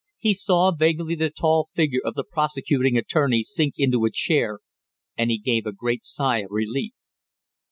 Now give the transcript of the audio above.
He saw vaguely the tall figure of the prosecuting attorney sink into a chair, and he gave a great sigh of relief.